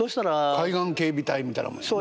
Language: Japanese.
海岸警備隊みたいなもんやね。